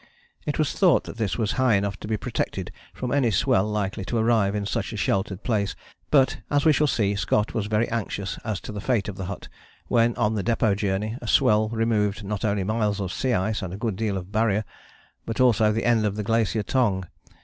It was thought that this was high enough to be protected from any swell likely to arrive in such a sheltered place, but, as we shall see, Scott was very anxious as to the fate of the hut, when, on the Depôt journey, a swell removed not only miles of sea ice and a good deal of Barrier, but also the end of Glacier Tongue.